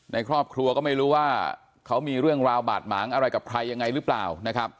ในครอบครัวก็ไม่รู้ว่าเขามีเรื่องราวบาดหมางอะไรกับใครยังไงหรือเปล่านะครับ